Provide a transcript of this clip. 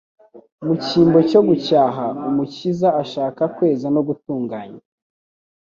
Mu cyimbo cyo gucyaha, Umukiza ashaka kweza no gutunganya.